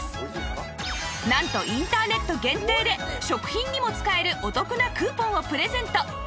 なんとインターネット限定で食品にも使えるお得なクーポンをプレゼント